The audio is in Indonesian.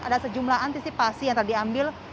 ada sejumlah antisipasi yang terambil